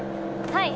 はい。